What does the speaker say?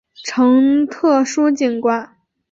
呈现特殊景观